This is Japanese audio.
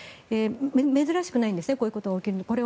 珍しくないんですねこういうことが起きるのは。